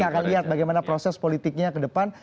kita akan lihat bagaimana proses politiknya ke depan